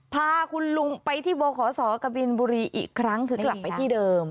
พาคุณลุงไปที่บขศกบินบุรีอีกครั้งคือกลับไปที่เดิม